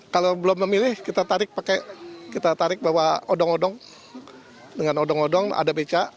kalau belum memilih kita tarik pakai kita tarik bawa odong odong dengan odong odong ada beca